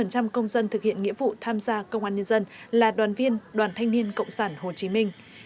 một trăm linh công dân thực hiện nghĩa vụ tham gia công an nhân dân là đoàn viên đoàn thanh niên cộng sản hồ chí minh